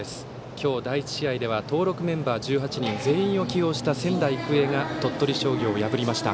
今日、第１試合では登録メンバー１８人全員を起用した仙台育英が鳥取商業を破りました。